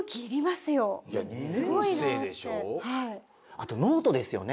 あとノートですよね。